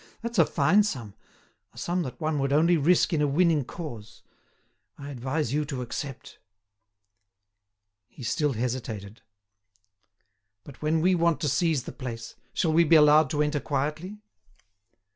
That's a fine sum, a sum that one would only risk in a winning cause. I advise you to accept." He still hesitated. "But when we want to seize the place, shall we be allowed to enter quietly?"